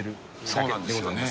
そうなんですね。